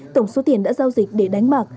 tổng số tiền đã giao dịch để đánh bạc